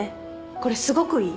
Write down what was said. これすごくいい。